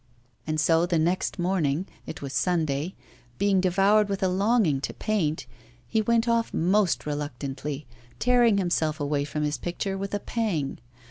And so the next morning it was Sunday being devoured with a longing to paint, he went off most reluctantly, tearing himself away from his picture with a pang.